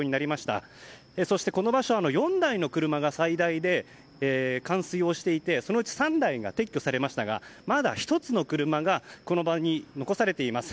そして、この場所は最大で４台の車が水没していてそのうち３台が撤去されましたがまだ１つの車がこの場に残されています。